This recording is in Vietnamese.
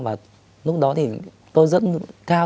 và lúc đó thì tôi rất cao